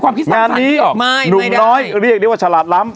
งานนี้หนุ่มน้อยเรียกนี้ว่าฉลาดล้ำ